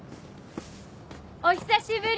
お久しぶり！